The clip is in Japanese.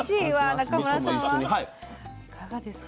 中村さんはいかがですか？